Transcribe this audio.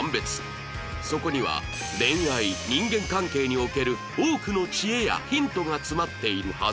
そこには恋愛人間関係における多くの知恵やヒントが詰まっているはず